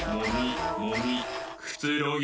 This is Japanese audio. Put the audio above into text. くつろぎ